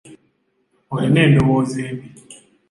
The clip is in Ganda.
Olina endowooza embi.